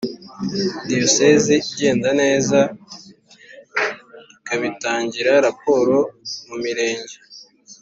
Diyoseze igenda neza ikabitangira raporo mu mirenge